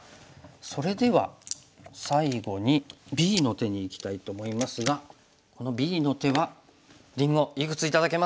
それでは最後にＢの手にいきたいと思いますがこのＢの手はりんごいくつ頂けますか？